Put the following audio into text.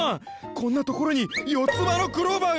こんなところに四つ葉のクローバーが！